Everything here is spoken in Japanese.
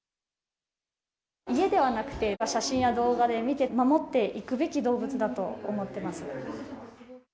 家ではなくて、写真や動画で見て、守っていくべき動物だと思ってます。